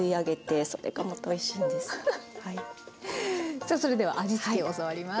さあそれでは味付けを教わります。